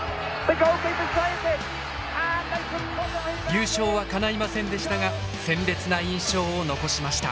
優勝はかないませんでしたが鮮烈な印象を残しました。